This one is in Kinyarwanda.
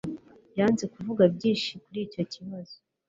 Yanze kuvuga byinshi kuri icyo kibazo